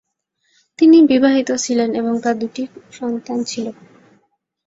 তিনি বিবাহিত ছিলেন এবং তার দুটি সন্তান ছিল।